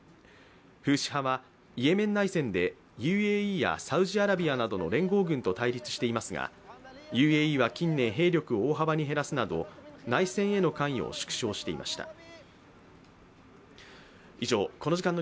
フーシ派はイエメン内戦でＵＡＥやサウジアラビアなどの連合軍と対立していますがＵＡＥは近年、兵力を大幅に減らすなど内戦への関与を縮小していました。